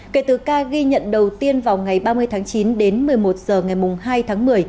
kể từ ca ghi nhận đầu tiên vào ngày ba mươi tháng chín đến một mươi một h ngày hai tháng một mươi